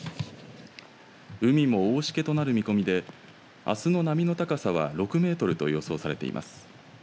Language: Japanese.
海も大しけとなる見込みであすの波の高さは６メートルと予想されています。